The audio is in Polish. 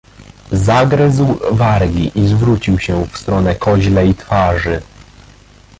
"Zagryzł wargi i zwrócił się w stronę koźlej twarzy."